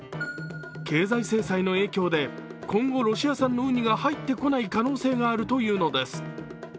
経済制裁の影響で今後、ロシア産のうにが入ってこない可能性があるというのです。